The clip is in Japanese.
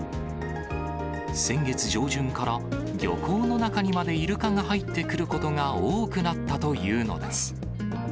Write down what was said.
先月上旬から、漁港の中にまでイルカが入ってくることが多くなったというのです。